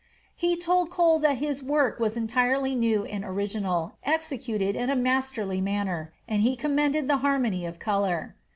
He told Cole that his work was entirely new and original, executed in a masterly manner, and he commended the harmony of color.